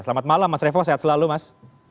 selamat malam mas revo sehat selalu mas